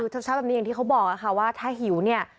เช้าแบบนี้อย่างที่เขาบอกค่ะว่าถ้าหิวเนี่ย